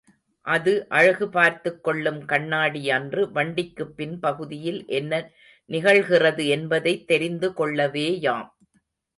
அது அழகு பார்த்துக் கொள்ளும் கண்ணாடியன்று வண்டிக்குப் பின் பகுதியில் என்ன நிகழ்கிறது என்பதைத் தெரிந்து கொள்ளவேயாம்.